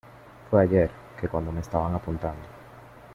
fue ayer, que cuando me estaban apuntando